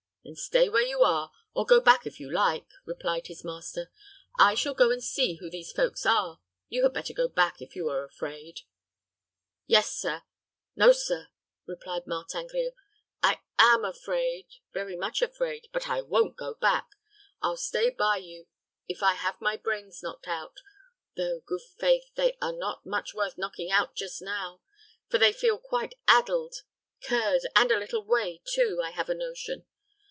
"Then stay where you are, or go back if you like," replied his master. "I shall go and see who these folks are. You had better go back, if you are afraid." "Yes, sir no, sir," replied Martin Grille. "I am afraid very much afraid but I won't go back. I'll stay by you if I have my brains knocked out though, good faith, they are not much worth knocking just now, for they feel quite addled curd curd; and a little whey, too, I have a notion.